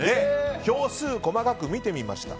票数細かく見てみました。